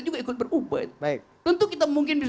juga ikut berubah tentu kita mungkin